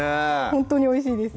ほんとにおいしいです